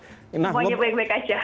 semuanya baik baik saja